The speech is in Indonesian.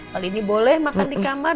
kali ini boleh makan di kamar